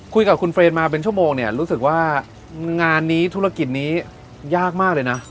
คุยกับคุณเฟรนมาเป็นชั่วโมงเนี่ยรู้สึกว่างานนี้ธุรกิจนี้ยากมากเลยนะ